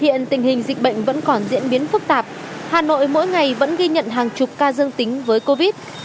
hiện tình hình dịch bệnh vẫn còn diễn biến phức tạp hà nội mỗi ngày vẫn ghi nhận hàng chục ca dương tính với covid